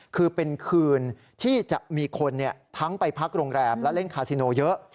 คือเป็นคืนที่จะมีคนทั้งไปพักโรงแรมและเล่นคาซิโนเยอะ